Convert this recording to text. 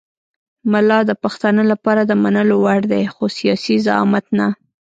ملا د پښتانه لپاره د منلو وړ دی خو سیاسي زعامت نه.